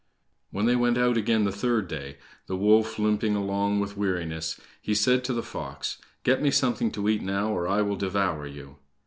When they went out again the third day, the wolf limping along with weariness, he said to the fox: "Get me something to eat now, or I will devour you!"